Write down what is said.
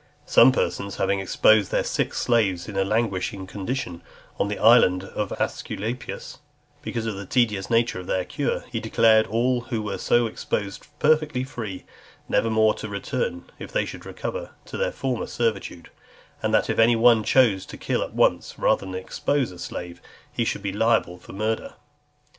Some persons having exposed their sick slaves, in a languishing condition, on the island of Aesculapius , because of the tediousness of their cure; he declared all who were so exposed perfectly free, never more to return, if they should recover, to their former servitude; and that if any one chose to kill at once, rather than expose, a slave, he should be liable for murder.